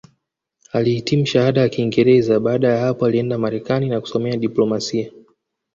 Alihitimu Shahada ya Kingereza Baada ya hapo alienda Marekani na kusomea diplomasia